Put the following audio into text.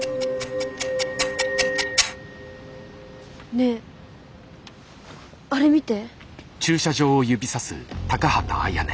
ねえあれ見て。